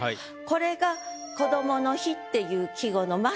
これが「こどもの日」っていう季語のはい。